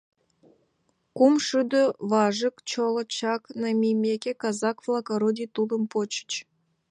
Кумшӱдӧ важык чоло чак намийымеке, казак-влак орудий тулым почыч.